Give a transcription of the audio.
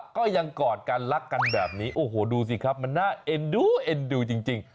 ก็ยังกอดกันรักกันแบบนี้โอ้โหดูสิครับมันน่าเอ็นดูเอ็นดูจริง